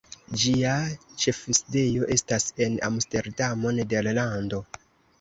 Ĝia ĉefsidejo estas en Amsterdamo, Nederlando.